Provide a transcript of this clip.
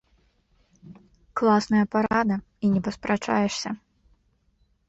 Класная парада, і не паспрачаешся.